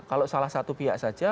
kalau salah satu pihak saja